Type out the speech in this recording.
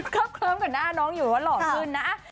เคลิ้มกับหน้าน้องอยู่ว่าหล่อขึ้นนะ